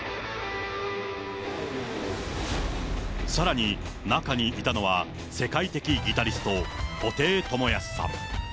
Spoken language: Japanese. さらに、中にいたのは世界的ギタリスト、布袋寅泰さん。